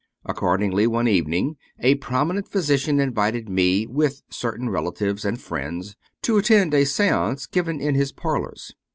Accordingly, one evening, a prominent physician invited me, with certain relatives and friends, to attend a seance given in his parlors.